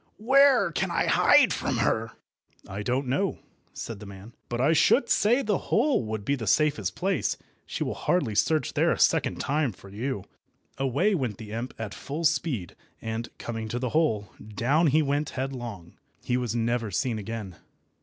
Where can I hide from her?" "I don't know," said the man, "but I should say the hole would be the safest place. She will hardly search there a second time for you." Away went the imp at full speed, and, coming to the hole, down he went headlong. He was never seen again.